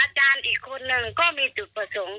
อาจารย์อีกคนนึงก็มีจุดประสงค์